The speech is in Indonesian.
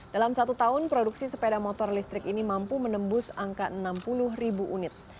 dalam satu tahun produksi sepeda motor listrik ini mampu menembus angka enam puluh ribu unit